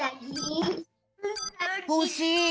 おしい！